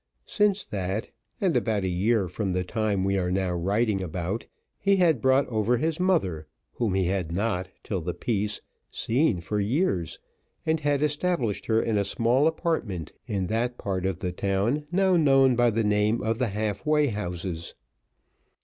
Since that, and about a year from the time we are now writing about, he had brought over his mother, whom he had not, till the peace, seen for years, and had established her in a small apartment in that part of the town now known by the name of the Halfway Houses.